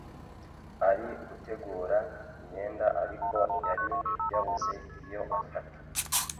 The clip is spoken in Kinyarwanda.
ari gutegura imyenda ariko yari yabuze iyo afata